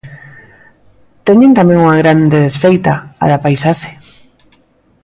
Teñen tamén unha grande desfeita: a da paisaxe.